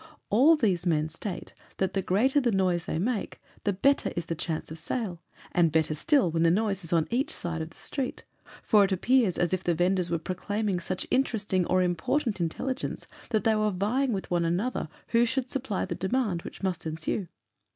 All these men state that the greater the noise they make, the better is the chance of sale, and better still when the noise is on each side of the street, for it appears as if the vendors were proclaiming such interesting or important intelligence, that they were vieing with one another who should supply the demand which must ensue.